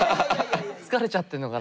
疲れちゃってるのかな。